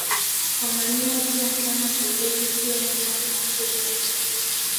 Wanalima pia mtama na ulezi pia miwa na Mpunga